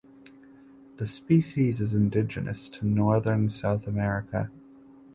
The species is indigenous to northern South America.